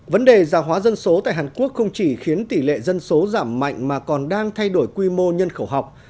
vấn đề gia hóa dân số tại hàn quốc không chỉ khiến tỷ lệ dân số giảm mạnh mà còn đang thay đổi quy mô nhân khẩu học